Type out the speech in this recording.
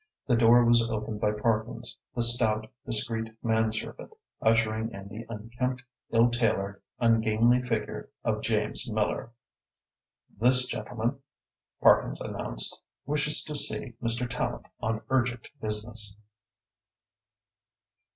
The door was opened by Parkins, the stout, discreet man servant, ushering in the unkempt, ill tailored, ungainly figure of James Miller. "This gentleman," Parkins announced, "wishes to see Mr. Tallente on urgent business."